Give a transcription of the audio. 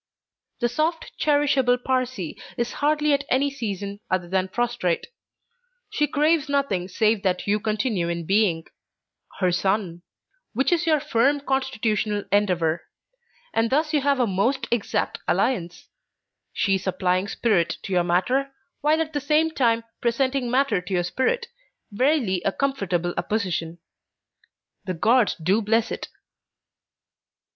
The soft cherishable Parsee is hardly at any season other than prostrate. She craves nothing save that you continue in being her sun: which is your firm constitutional endeavour: and thus you have a most exact alliance; she supplying spirit to your matter, while at the same time presenting matter to your spirit, verily a comfortable apposition. The Gods do bless it.